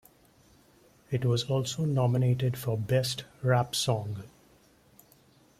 It was also nominated for Best Rap Song.